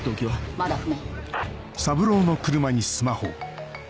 まだ不明。